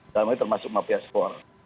dan ini termasuk mafia skor